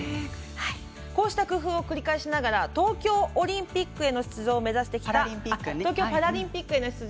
こうした工夫を繰り返しながら東京パラリンピックへの出場を目指してきた東海林選手と外山選手。